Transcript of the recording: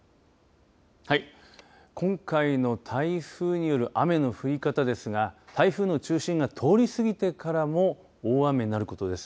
はい、今回の台風による雨の降り方ですが台風の中心が通り過ぎてからも大雨になることです。